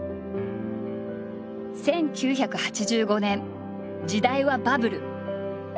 １９８５年時代はバブル。